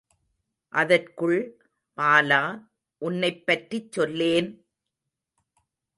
அதற்குள், பாலா, உன்னைப் பற்றிச் சொல்லேன்!